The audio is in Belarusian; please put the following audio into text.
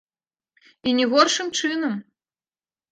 І не горшым чынам!